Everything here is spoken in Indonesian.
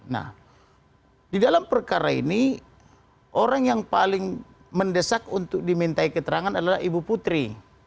nah di dalam perkara ini orang yang paling mendesak untuk dimintai keterangan adalah ibu putri